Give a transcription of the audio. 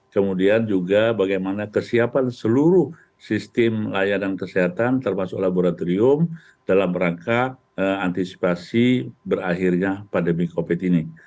kemudian juga bagaimana kesiapan seluruh sistem layanan kesehatan termasuk laboratorium dalam rangka antisipasi berakhirnya pandemi covid ini